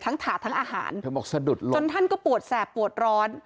ทั้งถาดทั้งอาหารจนท่านก็ปวดแสบปวดร้อน